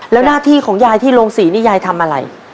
แล้วหน้าที่ของยายที่โรงศรีนี่ยายทำอะไร